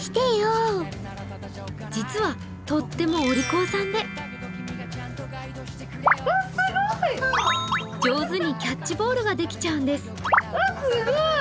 実はとってもお利口さんで上手にキャッチボールができちゃうんです。